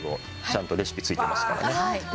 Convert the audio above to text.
ちゃんとレシピ付いてますからね。